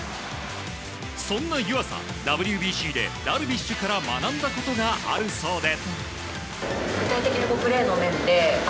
そんな湯浅、ＷＢＣでダルビッシュから学んだことがあるそうで。